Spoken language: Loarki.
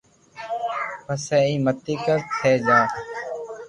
پسي ايم متي ڪر تي جا